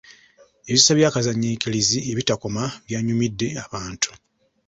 Ebisesa bya kazannyiikirizi ebitakoma byanyumidde abantu.